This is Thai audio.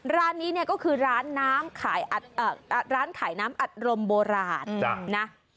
ร้านนี้เนี่ยก็คือร้านน้ำขายน้ำอัดลมโบราณนะ